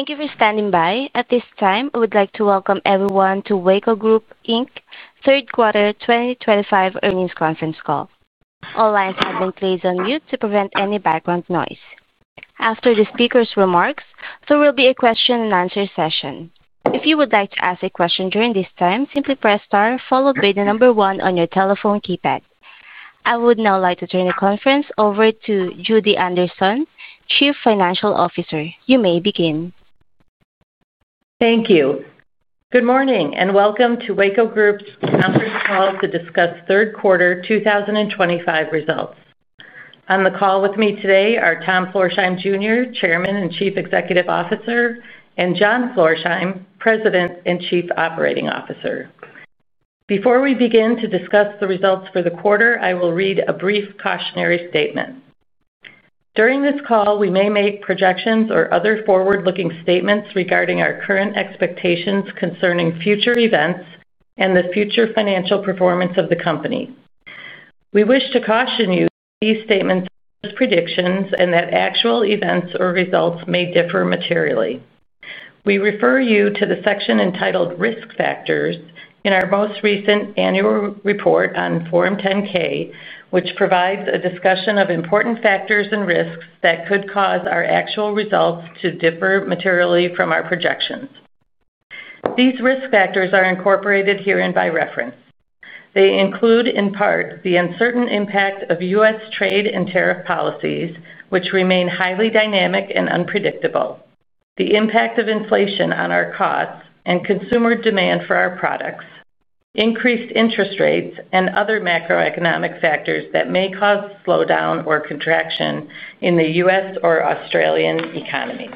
Thank you for standing by. At this time, I would like to welcome everyone to Weyco Group Third Quarter 2025 Earnings Conference Call. All lines have been placed on mute to prevent any background noise. After the speaker's remarks, there will be a question-and-answer session. If you would like to ask a question during this time, simply press star followed by the number one on your telephone keypad. I would now like to turn the conference over to Judy Anderson, Chief Financial Officer. You may begin. Thank you. Good morning and welcome to Weyco Group's conference call to discuss Third Quarter 2025 results. On the call with me today are Thomas Florsheim Jr., Chairman and Chief Executive Officer, and John Florsheim, President and Chief Operating Officer. Before we begin to discuss the results for the quarter, I will read a brief cautionary statement. During this call, we may make projections or other forward-looking statements regarding our current expectations concerning future events and the future financial performance of the company. We wish to caution you that these statements are predictions and that actual events or results may differ materially. We refer you to the section entitled Risk Factors in our most recent annual report on Form 10-K, which provides a discussion of important factors and risks that could cause our actual results to differ materially from our projections. These Risk Factors are incorporated herein by reference. They include, in part, the uncertain impact of US Trade and Tariff Policies, which remain highly dynamic and unpredictable; the impact of inflation on our costs and consumer demand for our products; increased interest rates; and other macroeconomic factors that may cause slowdown or contraction in the U.S. or Australian economy.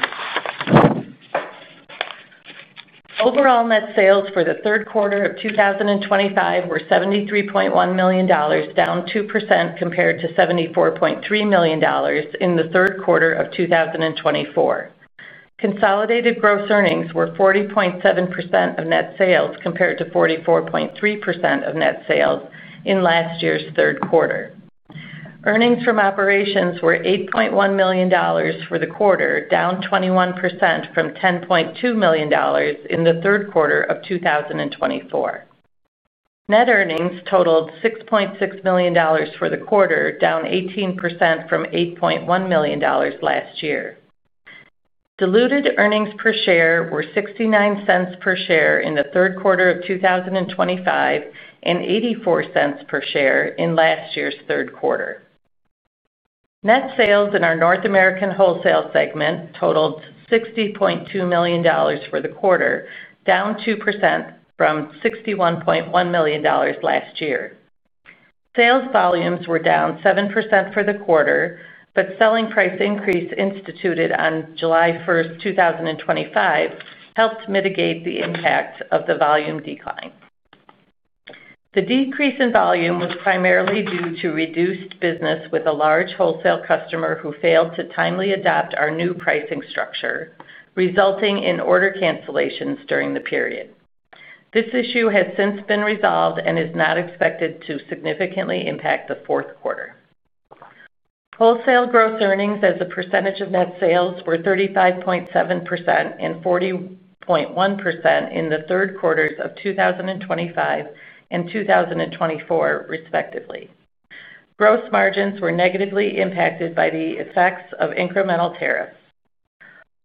Overall net sales for the Third Quarter of 2025 were $73.1 million, down 2% compared to $74.3 million in the Third Quarter of 2024. Consolidated gross earnings were 40.7% of net sales compared to 44.3% of net sales in last year's Third Quarter. Earnings from operations were $8.1 million for the quarter, down 21% from $10.2 million in the Third Quarter of 2024. Net earnings totaled $6.6 million for the quarter, down 18% from $8.1 million last year. Diluted earnings per share were $0.69 per share in the Third Quarter of 2025 and $0.84 per share in last year's third quarter. Net sales in our North American wholesale segment totaled $60.2 million for the quarter, down 2% from $61.1 million last year. Sales volumes were down 7% for the quarter, but the selling price increase instituted on July 1st, 2025, helped mitigate the impact of the volume decline. The decrease in volume was primarily due to reduced business with a large wholesale customer who failed to timely adopt our new pricing structure, resulting in order cancellations during the period. This issue has since been resolved and is not expected to significantly impact the fourth quarter. Wholesale gross earnings as a percentage of net sales were 35.7% and 40.1% in the Third Quarters of 2025 and 2024, respectively. Gross margins were negatively impacted by the effects of Incremental Tariffs.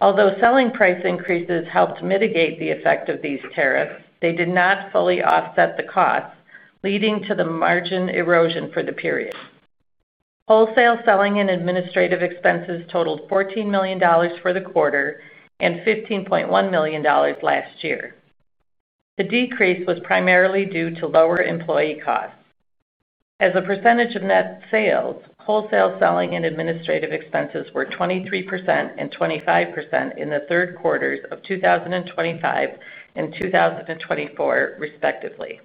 Although selling price increases helped mitigate the effect of these tariffs, they did not fully offset the costs, leading to the margin erosion for the period. Wholesale selling and administrative expenses totaled $14 million for the quarter and $15.1 million last year. The decrease was primarily due to lower employee costs. As a percentage of net sales, wholesale selling and administrative expenses were 23% and 25% in the Third Quarters of 2025 and 2024, respectively.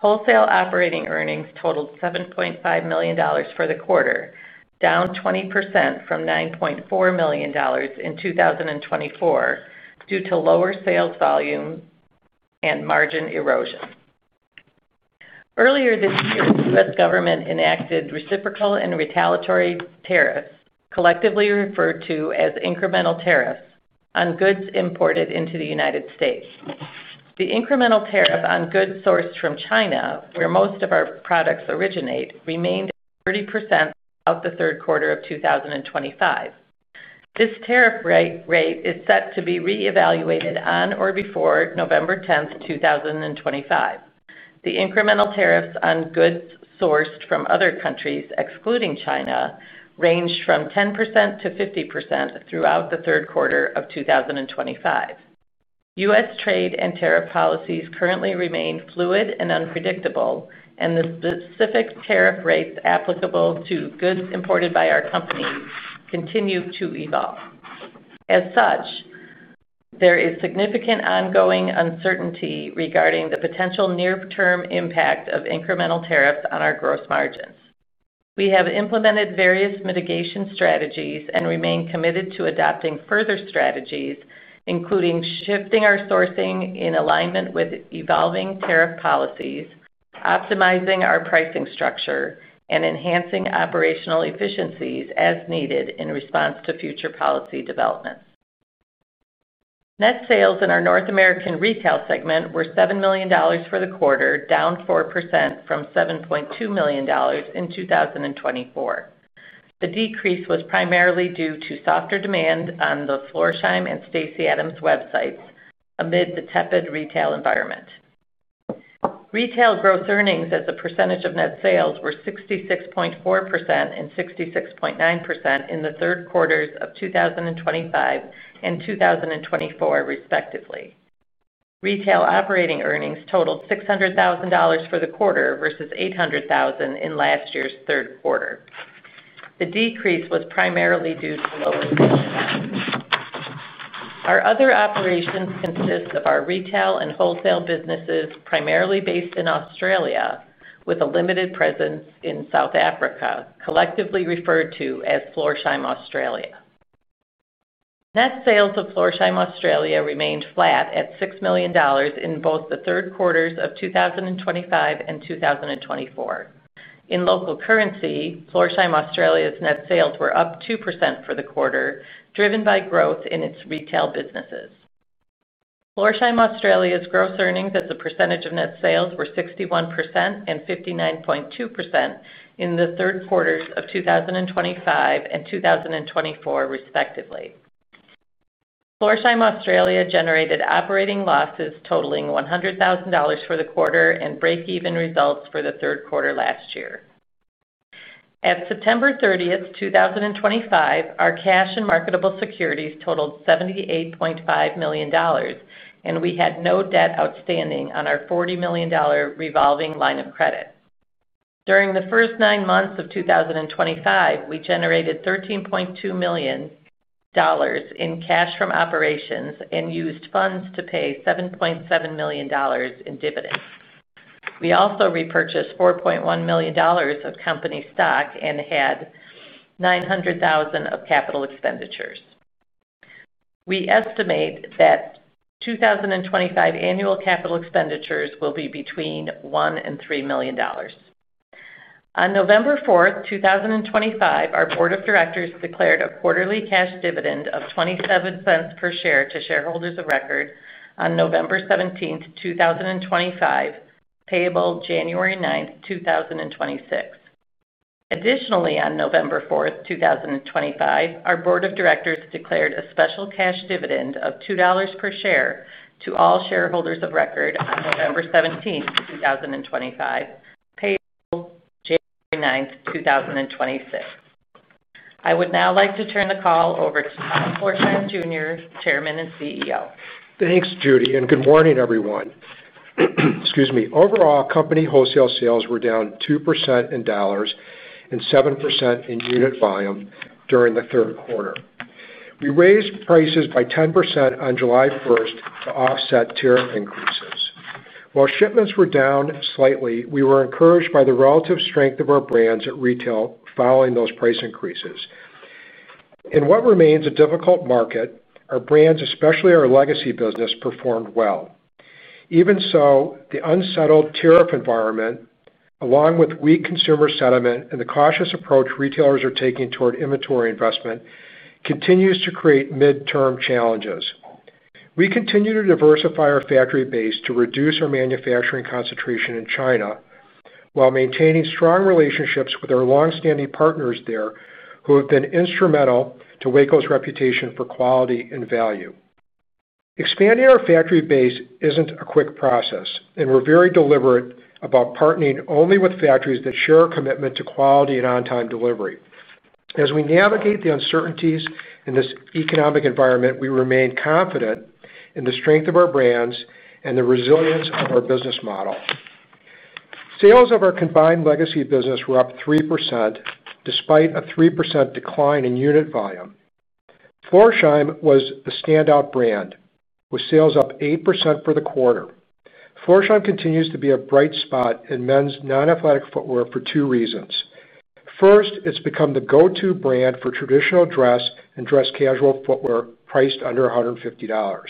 Wholesale operating earnings totaled $7.5 million for the quarter, down 20% from $9.4 million in 2024 due to lower sales volume and margin erosion. Earlier this year, the U.S. government enacted reciprocal and retaliatory tariffs, collectively referred to as Incremental Tariffs, on goods imported into the United States. The incremental tariff on goods sourced from China, where most of our products originate, remained at 30% throughout the Third Quarter of 2025. This tariff rate is set to be reevaluated on or before November 10th, 2025. The Incremental Tariffs on goods sourced from other countries, excluding China, ranged from 10%-50% throughout the Third Quarter of 2025. US Trade and Tariff Policies currently remain fluid and unpredictable, and the specific tariff rates applicable to goods imported by our companies continue to evolve. As such, there is significant ongoing uncertainty regarding the potential near-term impact of Incremental Tariffs on our gross margins. We have implemented various mitigation strategies and remain committed to adopting further strategies, including shifting our sourcing in alignment with evolving tariff policies, optimizing our pricing structure, and enhancing operational efficiencies as needed in response to future policy developments. Net sales in our North American Retail Segment were $7 million for the quarter, down 4% from $7.2 million in 2024. The decrease was primarily due to softer demand on the Florsheim and Stacy Adams websites amid the tepid retail environment. Retail gross earnings as a percentage of net sales were 66.4% and 66.9% in the Third Quarters of 2025 and 2024, respectively. Retail operating earnings totaled $600,000 for the quarter versus $800,000 in last year's Third Quarter. The decrease was primarily due to lower sales volume. Our other operations consist of our retail and wholesale businesses primarily based in Australia, with a limited presence in South Africa, collectively referred to as Florsheim Australia. Net sales of Florsheim Australia remained flat at $6 million in both the Third Quarters of 2025 and 2024. In local currency, Florsheim Australia's net sales were up 2% for the quarter, driven by growth in its retail businesses. Florsheim Australia's gross earnings as a percentage of net sales were 61% and 59.2% in the Third Quarters of 2025 and 2024, respectively. Florsheim Australia generated operating losses totaling $100,000 for the quarter and break-even results for the third quarter last year. At September 30, 2025, our cash and marketable securities totaled $78.5 million, and we had no debt outstanding on our $40 million Revolving Line of Credit. During the first nine months of 2025, we generated $13.2 million in cash from operations and used funds to pay $7.7 million in Dividends. We also repurchased $4.1 million of company stock and had $900,000 of capital expenditures. We estimate that 2025 annual capital expenditures will be between $1 million and $3 million. On November 4th, 2025, our Board of Directors declared a quarterly cash dividend of $0.27 per share to shareholders of record on November 17th, 2025, payable January 9th, 2026. Additionally, on November 4th, 2025, our Board of Directors declared a Special Cash Dividend of $2 per share to all shareholders of record on November 17th, 2025, payable January 9th, 2026. I would now like to turn the call over to Thomas Florsheim Jr., Chairman and CEO. Thanks, Judy, and good morning, everyone. Excuse me. Overall, company wholesale sales were down 2% in dollars and 7% in unit volume during the third quarter. We raised prices by 10% on July 1 to offset tariff increases. While shipments were down slightly, we were encouraged by the relative strength of our brands at retail following those price increases. In what remains a difficult market, our brands, especially our legacy business, performed well. Even so, the unsettled tariff environment, along with weak consumer sentiment and the cautious approach retailers are taking toward inventory investment, continues to create midterm challenges. We continue to diversify our factory base to reduce our manufacturing concentration in China while maintaining strong relationships with our longstanding partners there, who have been instrumental to Weyco's reputation for quality and value. Expanding our factory base is not a quick process, and we are very deliberate about partnering only with factories that share a commitment to quality and on-time delivery. As we navigate the uncertainties in this economic environment, we remain confident in the strength of our brands and the resilience of our business model. Sales of our combined legacy business were up 3% despite a 3% decline in unit volume. Florsheim was the standout brand, with sales up 8% for the quarter. Florsheim continues to be a bright spot in men's non-athletic footwear for two reasons. First, it has become the go-to brand for traditional dress and dress casual footwear priced under $150.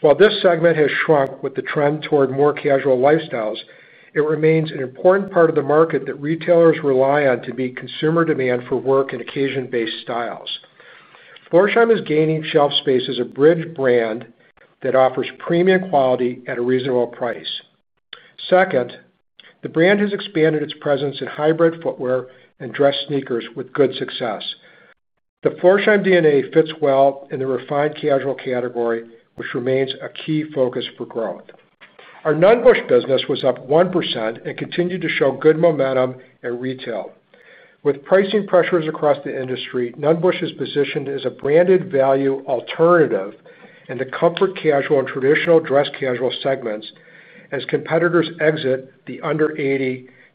While this segment has shrunk with the trend toward more casual lifestyles, it remains an important part of the market that retailers rely on to meet consumer demand for work and occasion-based styles. Florsheim is gaining shelf space as a bridged brand that offers premium quality at a reasonable price. Second, the brand has expanded its presence in hybrid footwear and dress sneakers with good success. The Florsheim DNA fits well in the refined casual category, which remains a key focus for growth. Our Nunn Bush business was up 1% and continued to show good momentum at retail. With pricing pressures across the industry, Nunn Bush is positioned as a branded value alternative in the comfort casual and traditional dress casual segments as competitors exit the under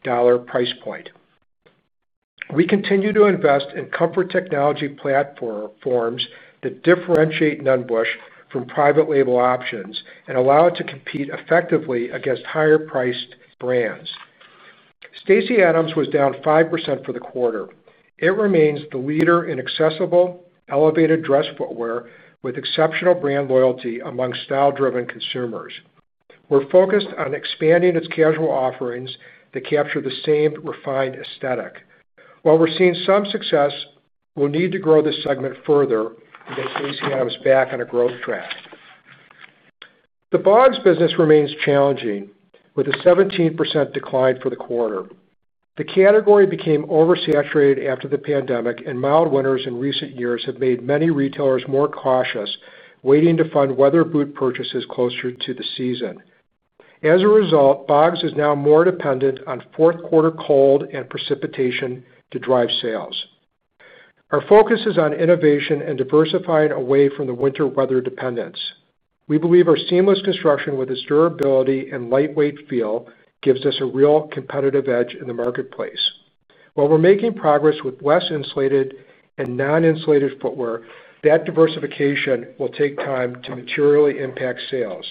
$80 price point. We continue to invest in comfort technology platforms that differentiate Nunn Bush from private label options and allow it to compete effectively against higher-priced brands. Stacy Adams was down 5% for the quarter. It remains the leader in accessible, elevated dress footwear with exceptional brand loyalty among style-driven consumers. We're focused on expanding its casual offerings that capture the same refined aesthetic. While we're seeing some success, we'll need to grow this segment further to get Stacy Adams back on a growth track. The Bogs business remains challenging, with a 17% decline for the quarter. The category became oversaturated after the pandemic, and mild winters in recent years have made many retailers more cautious, waiting to fund weather boot purchases closer to the season. As a result, Bogs is now more dependent on fourth quarter cold and precipitation to drive sales. Our focus is on innovation and diversifying away from the winter weather dependence. We believe our seamless construction, with its durability and lightweight feel, gives us a real competitive edge in the marketplace. While we're making progress with less insulated and non-insulated footwear, that diversification will take time to materially impact sales.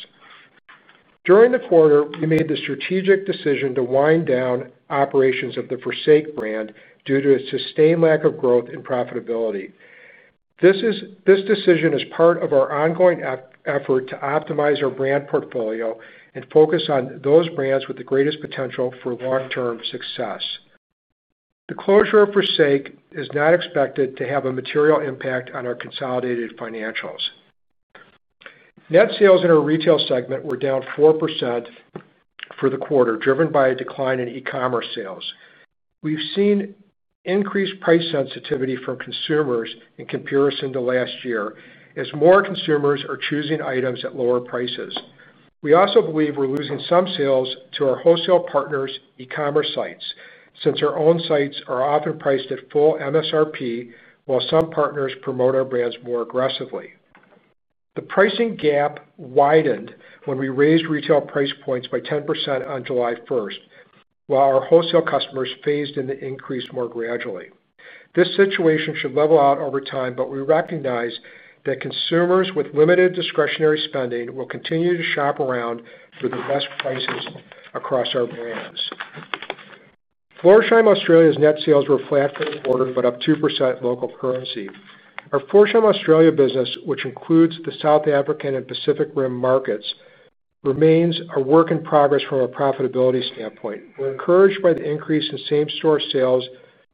During the quarter, we made the strategic decision to wind down operations of the Forsake brand due to a sustained lack of growth and profitability. This decision is part of our ongoing effort to optimize our brand portfolio and focus on those brands with the greatest potential for long-term success. The closure of Forsake is not expected to have a material impact on our consolidated financials. Net sales in our retail segment were down 4% for the quarter, driven by a decline in e-commerce sales. We've seen increased price sensitivity from consumers in comparison to last year as more consumers are choosing items at lower prices. We also believe we're losing some sales to our wholesale partners' e-commerce sites since our own sites are often priced at full MSRP, while some partners promote our brands more aggressively. The pricing gap widened when we raised retail price points by 10% on July 1st, while our wholesale customers phased in the increase more gradually. This situation should level out over time, but we recognize that consumers with limited discretionary spending will continue to shop around for the best prices across our brands. Florsheim Australia's net sales were flat for the quarter, but up 2% local currency. Our Florsheim Australia business, which includes the South African and Pacific Rim markets, remains a work in progress from a profitability standpoint. We're encouraged by the increase in same-store sales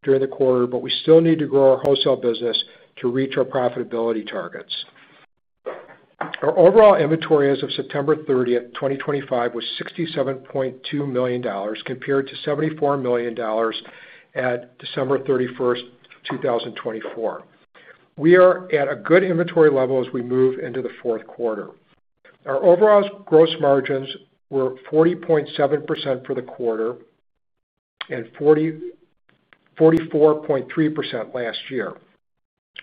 during the quarter, but we still need to grow our wholesale business to reach our Profitability Targets. Our overall inventory as of September 30th, 2025, was $67.2 million, compared to $74 million at December 31st, 2024. We are at a good inventory level as we move into the fourth quarter. Our overall gross margins were 40.7% for the quarter. Last year, they were 44.3%.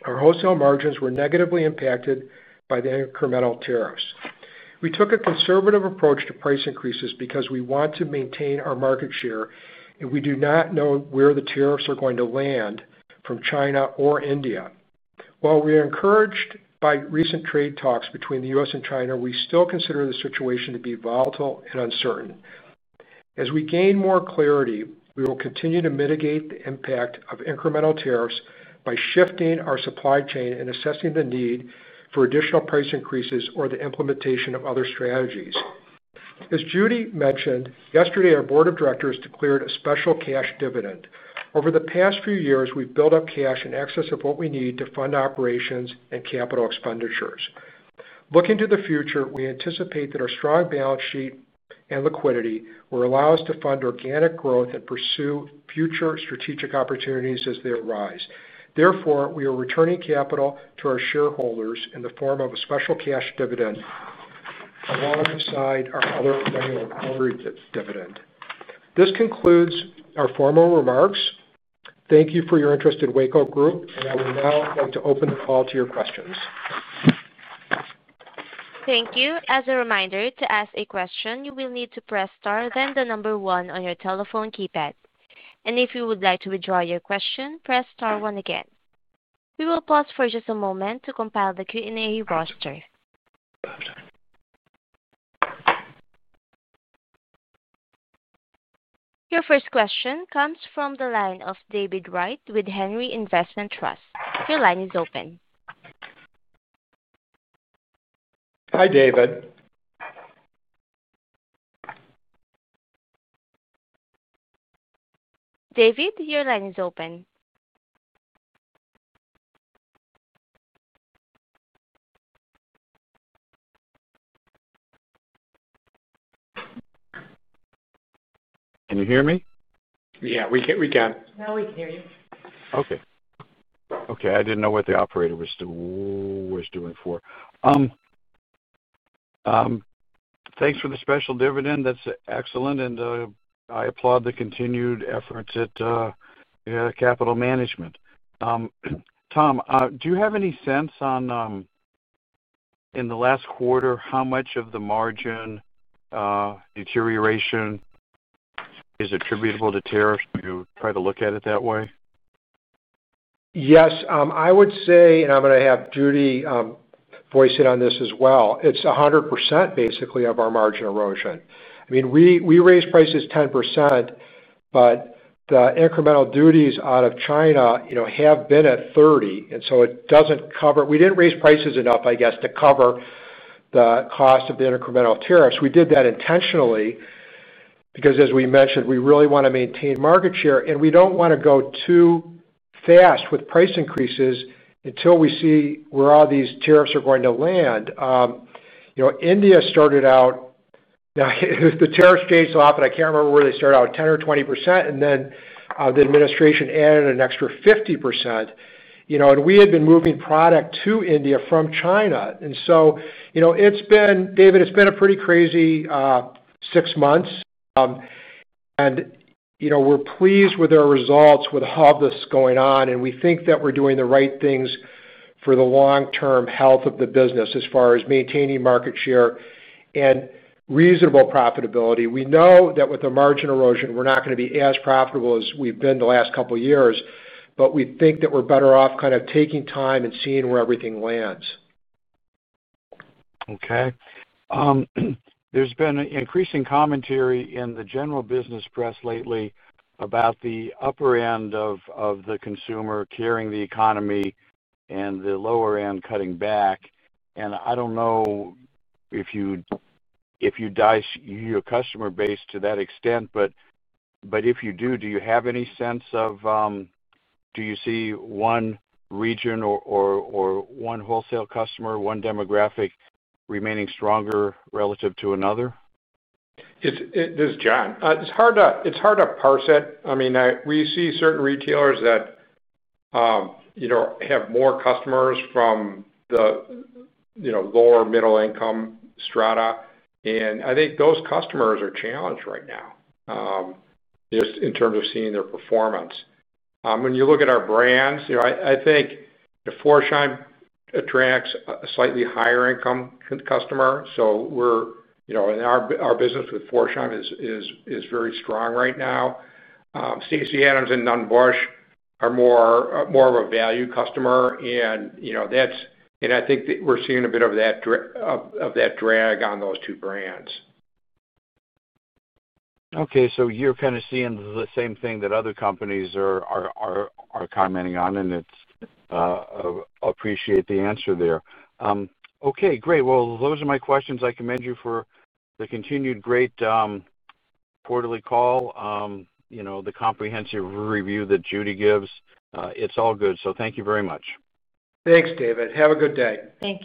Our wholesale margins were negatively impacted by the Incremental Tariffs. We took a conservative approach to price increases because we want to maintain our Market Share, and we do not know where the tariffs are going to land from China or India. While we are encouraged by recent trade talks between the U.S. and China, we still consider the situation to be volatile and uncertain. As we gain more clarity, we will continue to mitigate the impact of Incremental Tariffs by shifting our supply chain and assessing the need for additional price increases or the implementation of other strategies. As Judy mentioned, yesterday, our Board of Directors declared a Special Cash Dividend. Over the past few years, we've built up cash in excess of what we need to fund operations and capital expenditures. Looking to the future, we anticipate that our strong Balance Sheet and Liquidity will allow us to fund Organic Growth and pursue future Strategic Opportunities as they arise. Therefore, we are returning capital to our shareholders in the form of a Special Cash Dividend, alongside our other annual quarterly dividend. This concludes our formal remarks. Thank you for your interest in Weyco Group, and I would now like to open the call to your questions. Thank you. As a reminder, to ask a question, you will need to press star then the number one on your telephone keypad. If you would like to withdraw your question, press star one again. We will pause for just a moment to compile the Q&A roster. Your first question comes from the line of David Wright with Henry Investment Trust. Your line is open. Hi, David. David, your line is open. Can you hear me? Yeah, we can. No, we can hear you. Okay. Okay. I didn't know what the operator was doing for. Thanks for the special dividend. That's excellent. I applaud the continued efforts at capital management. Thomas, do you have any sense on, in the last quarter, how much of the margin deterioration is attributable to tariffs? Do you try to look at it that way? Yes. I would say, and I am going to have Judy voice it on this as well. It is 100%, basically, of our margin erosion. I mean, we raised prices 10%. But the incremental duties out of China have been at 30%. And it does not cover—we did not raise prices enough, I guess, to cover the cost of the Incremental Tariffs. We did that intentionally. Because, as we mentioned, we really want to maintain market share. We do not want to go too fast with price increases until we see where all these tariffs are going to land. India started out—now, the tariffs changed a lot, but I cannot remember where they started out—10% or 20%, and then the administration added an extra 50%. We had been moving product to India from China. David, it has been a pretty crazy six months. We are pleased with our results, with all of this going on. We think that we are doing the right things for the long-term health of the business as far as maintaining market share and reasonable profitability. We know that with the margin erosion, we are not going to be as profitable as we have been the last couple of years, but we think that we are better off kind of taking time and seeing where everything lands. Okay. There's been increasing commentary in the general business press lately about the upper end of the consumer carrying the economy and the lower end cutting back. I don't know if you dice your customer base to that extent, but if you do, do you have any sense of— Do you see one region or one wholesale customer, one demographic remaining stronger relative to another? This is John. It's hard to parse it. I mean, we see certain retailers that have more customers from the lower middle-income strata. I think those customers are challenged right now. Just in terms of seeing their performance. When you look at our brands, I think Florsheim attracts a slightly higher-income customer. Our business with Florsheim is very strong right now. Stacy Adams and Nunn Bush are more of a value customer. I think that we're seeing a bit of that drag on those two brands. Okay. So you're kind of seeing the same thing that other companies are commenting on, and I appreciate the answer there. Great. Those are my questions. I commend you for the continued great quarterly call. The comprehensive review that Judy gives, it's all good. Thank you very much. Thanks, David. Have a good day. Thanks.